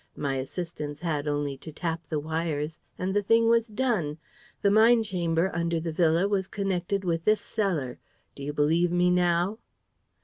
My assistants had only to tap the wires and the thing was done: the mine chamber Under the villa was connected with this cellar. Do you believe me now?"